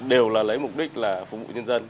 đều là lấy mục đích là phục vụ nhân dân